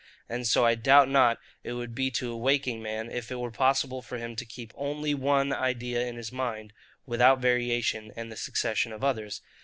And so I doubt not it would be to a waking man, if it were possible for him to keep ONLY ONE idea in his mind, without variation and the succession of others.